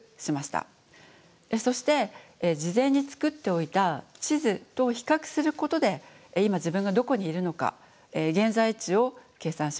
そして事前に作っておいた地図と比較することで今自分がどこにいるのか現在地を計算します。